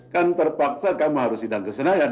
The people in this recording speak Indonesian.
kan terpaksa kamu harus hidang kesenayan